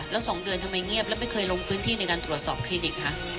แล้ว๒เดือนทำไมเงียบแล้วไม่เคยลงพื้นที่ในการตรวจสอบคลินิกคะ